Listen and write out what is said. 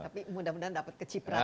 tapi mudah mudahan dapat keciprahan